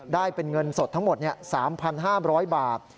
ได้เป็นเงินสดทั้งหมด๓๕๐๐บาท